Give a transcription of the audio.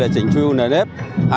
chỉnh truyền nền ép